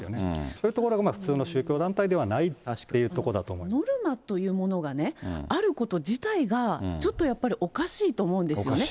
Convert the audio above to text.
そういうところが普通の宗教団体ではないというところだと思いまノルマというものがね、あること自体が、ちょっとやっぱりおかしいと思うんですよね。